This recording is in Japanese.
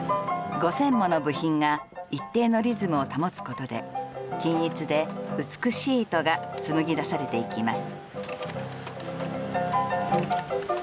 ５０００もの部品が一定のリズムを保つことで均一で美しい糸が紡ぎだされていきます。